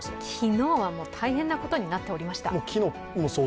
昨日は大変なことになっておりました。